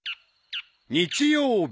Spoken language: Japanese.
［日曜日］